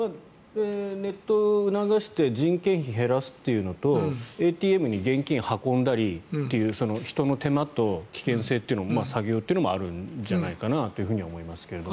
ネットを促して人件費を減らすというのとＡＴＭに現金を運んだりという人の手間と危険性を下げようっていうのもあるんじゃないかなとは思いますけども。